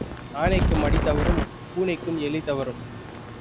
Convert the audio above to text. ஆனைக்கும் அடி தவறும் பூனைக்கும் எலி தவறும்.